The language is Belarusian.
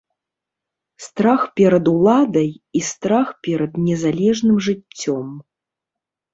Страх перад уладай і страх перад незалежным жыццём.